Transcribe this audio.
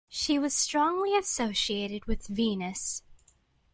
She was strongly associated with Venus.